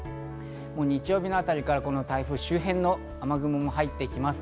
日曜日あたりから台風周辺の雨雲も入ってきます。